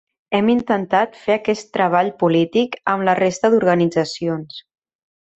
Hem intentat fer aquest treball polític amb la resta d’organitzacions.